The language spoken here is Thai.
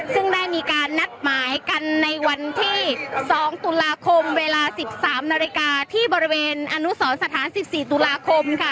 ซึ่งได้มีการนัดหมายกันในวันที่๒ตุลาคมเวลา๑๓นาฬิกาที่บริเวณอนุสรสถาน๑๔ตุลาคมค่ะ